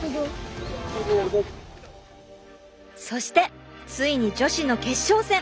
そしてついに女子の決勝戦！